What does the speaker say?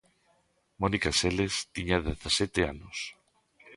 Mónica Seles tiña dezasete anos.